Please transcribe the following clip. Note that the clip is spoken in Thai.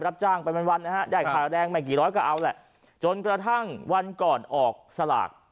รับจ้างไปวันนะฮะได้ค่าแรงไม่กี่ร้อยก็เอาแหละจนกระทั่งวันก่อนออกสลาก